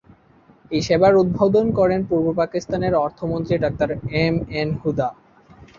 এই সেবার উদ্বোধন করেন পূর্ব পাকিস্তানের অর্থ মন্ত্রী ডাক্তার এম এন হুদা।